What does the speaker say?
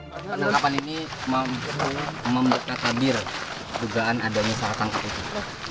penangkapan ini membuka tabir jugaan ada misalkan apa itu